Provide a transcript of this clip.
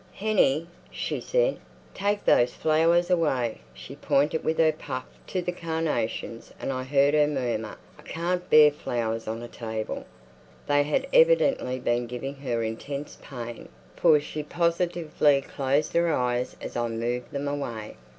"Hennie," she said, "take those flowers away." She pointed with her puff to the carnations, and I heard her murmur, "I can't bear flowers on a table." They had evidently been giving her intense pain, for she positively closed her eyes as I moved them away.